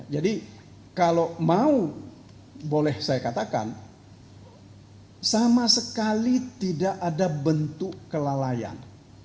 jadi kalau mau boleh saya katakan sama sekali tidak ada bentuk kelalaian